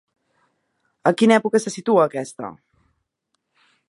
A quina època se situa aquesta?